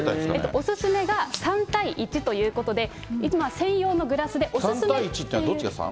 お勧めが３対１ということで、いつもは専用のグラスでお勧めという。